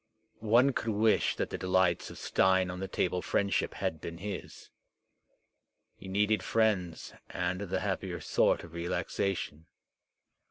One could wish that the delights of stein on the table friendship had been his. He needed friends and the happier sort of relaxation.